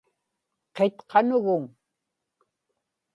qitqanuguŋ